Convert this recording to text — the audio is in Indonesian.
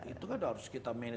itu kan harus kita manage